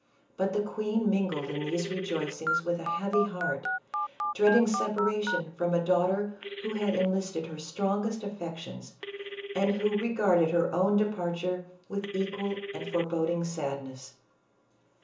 But the queen mingled in these rejoic ings with a heavy heart, dreading separation from a daughter who had enlisted her strongest affections, and who regarded her own departure with equal and fore boding sadness.